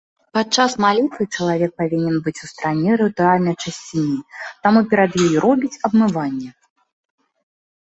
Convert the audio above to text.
Падчас малітвы чалавек павінен быць у стане рытуальнай чысціні, таму перад ёй робіць абмыванне.